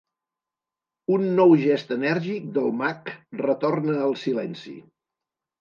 Un nou gest enèrgic del mag retorna el silenci.